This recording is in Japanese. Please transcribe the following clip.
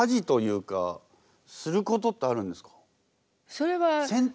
それは。